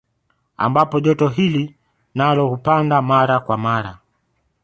Ambapo joto hili nalo hupanda mara kwa mara